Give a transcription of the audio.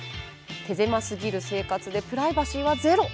手狭すぎる生活でプライバシーはゼロ。